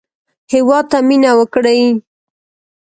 هېواد ته مېنه وکړئ